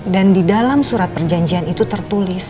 dan di dalam surat perjanjian itu tertulis